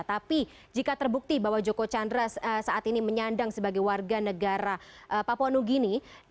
tapi jika terbukti bahwa joko chandra saat ini menyandang sebagai warga negara papua new guinea